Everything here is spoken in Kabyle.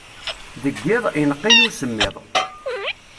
Deg yiḍ, ineqq-iyi usemmiḍ.